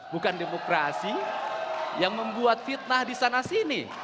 bukan demokrasi yang membuat fitnah disana sini